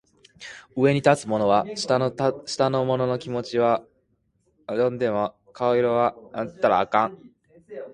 上に立つ者は下の者の気持ちは汲んでも顔色は窺ったらあかん